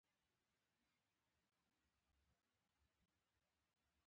بېنډۍ د غاښونو استقامت پیاوړی کوي